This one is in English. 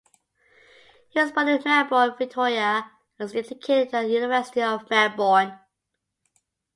He was born in Melbourne, Victoria, and was educated at the University of Melbourne.